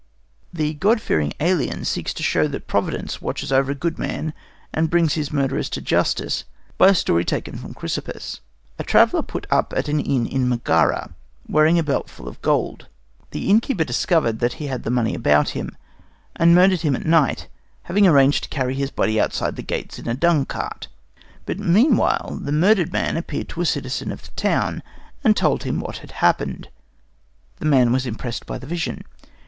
The god fearing Ælian seeks to show that Providence watches over a good man and brings his murderers to justice by a story taken from Chrysippus. A traveller put up at an inn in Megara, wearing a belt full of gold. The innkeeper discovered that he had the money about him, and murdered him at night, having arranged to carry his body outside the gates in a dung cart. But meanwhile the murdered man appeared to a citizen of the town and told him what had happened. The man was impressed by the vision.